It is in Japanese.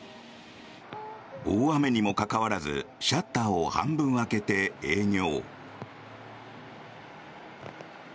大雨にもかかわらずシャッターを半分開けて営業。